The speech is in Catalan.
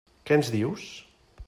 Què ens dius?